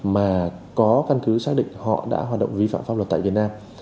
mà có căn cứ xác định họ đã hoạt động vi phạm pháp luật tại việt nam